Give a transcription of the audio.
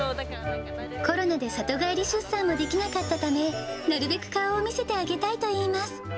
コロナで里帰り出産もできなかったため、なるべく顔を見せてあげたいといいます。